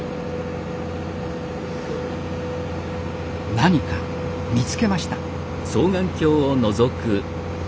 何か見つけました。